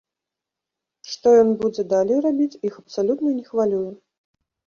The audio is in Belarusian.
Што ён будзе далей рабіць, іх абсалютна не хвалюе.